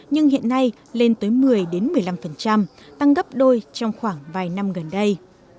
nhưng hiện nay lên tới một mươi một mươi năm tăng gấp đôi trong khoảng vài năm gần đây